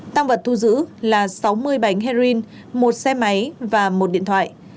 tăng vật thu giữ là sáu mươi bánh heroin một xe máy và một điện thoại